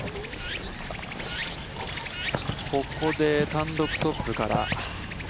ここで単独トップから。